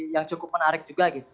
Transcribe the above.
yang cukup menarik juga gitu